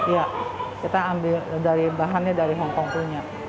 ya kita ambil bahannya dari hong kong punya